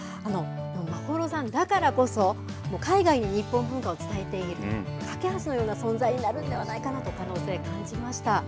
眞秀さんだからこそ海外に日本文化を伝えていくかけ橋のような存在になるんではないかと可能性、感じました。